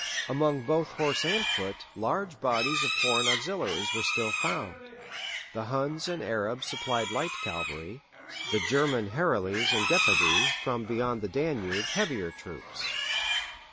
Among both horse and foot large bodies of foreign auxiliaries were still found: the Huns and Arabs supplied light cavalry, the German Herules and Gepidæ from beyond the Danube heavier troops.